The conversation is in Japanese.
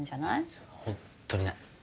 それは本当にない。